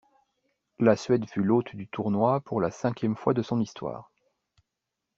La Suède fut l'hôte du tournoi pour la cinquième fois de son histoire.